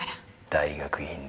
大学院だ。